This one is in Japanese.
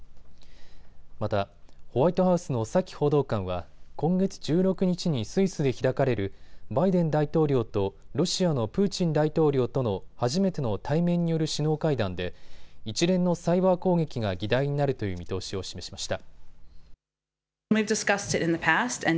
また、ホワイトハウスのサキ報道官は今月１６日にスイスで開かれるバイデン大統領とロシアのプーチン大統領との初めての対面による首脳会談で一連のサイバー攻撃が議題になるという見通しを示しました。